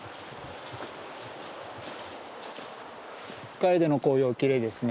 カエデの紅葉きれいですね。